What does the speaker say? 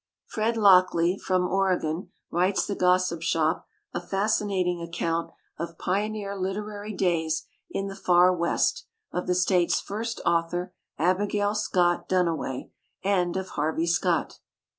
Fred Lockley, from Oregon, writes the Gossip Shop a fascinating account of pioneer literary days in the far west, of the state's first author, Abi gail Scott Duniway, and of Harvey Scott.